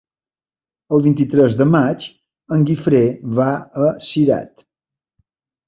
El vint-i-tres de maig en Guifré va a Cirat.